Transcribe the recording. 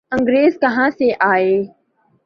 انگریز کہاں سے آئے؟